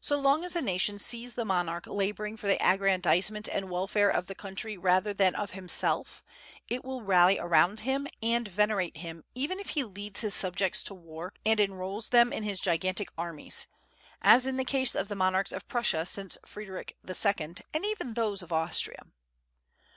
So long as a nation sees the monarch laboring for the aggrandizement and welfare of the country rather than of himself, it will rally around him and venerate him, even if he leads his subjects to war and enrolls them in his gigantic armies, as in the case of the monarchs of Prussia since Frederic II., and even those of Austria.